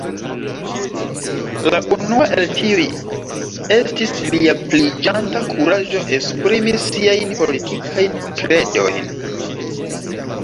La unua el tiuj estis lia pliiĝanta kuraĝo esprimi siajn politikajn kredojn.